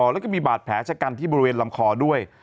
แล้วก็มีบาดแผลชะกันที่บริเวณลำคอด้วย